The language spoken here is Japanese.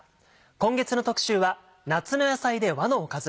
今月の特集は「夏の野菜で和のおかず」。